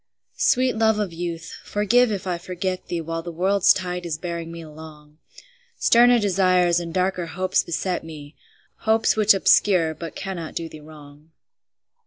Sweet love of youth, forgive if I forget thee While the world's tide is bearing me along; Sterner desires and darker hopes beset me, Hopes which obscure but cannot do thee wrong.